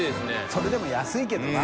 それでも安いけどな。